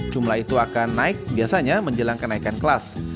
jumlah itu akan naik biasanya menjelang kenaikan kelas